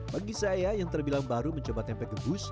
bagi saya yang terbilang baru mencoba tempe gebus